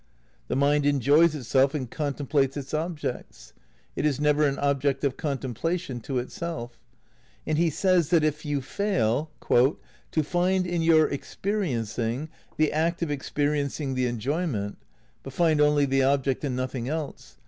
"" The mind enjoys it self and contemplates its objects." It is never an ob ject of contemplation to itself. And he says that if you fail .. ."to find in your experiencing the act of experiencing the enjoy ment, but find only the object and nothing else..